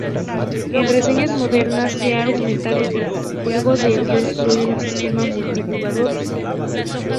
En reseñas modernas, se ha argumentado que el juego debió incluir un sistema multijugador.